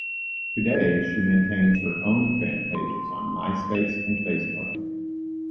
Today, she maintains her own fan pages on Myspace and Facebook.